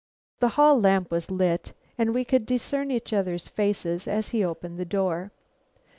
The hall lamp was lit, and we could discern each other's faces as he opened the door.